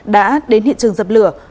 đã đến hiện trường dập lửa